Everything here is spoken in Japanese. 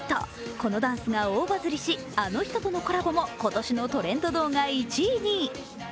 このダンスが大バズりしあの人とのコラボも今年のトレンド動画１位に。